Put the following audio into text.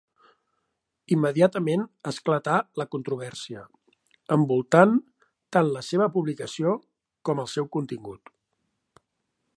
Immediatament esclatà la controvèrsia, envoltant tant la seva publicació com el seu contingut.